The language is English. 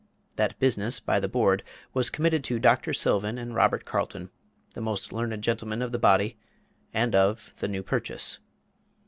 That business, by the Board, was committed to Dr. Sylvan and Robert Carlton the most learned gentleman of the body, and of the New Purchase.